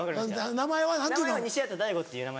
名前は西畑大吾っていう名前。